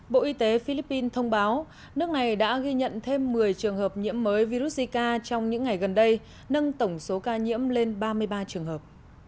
bộ y tế philippines thông báo nước này đã ghi nhận thêm một mươi trường hợp nhiễm mới virus zika trong những ngày gần đây nâng tổng số ca nhiễm lên ba mươi ba trường hợp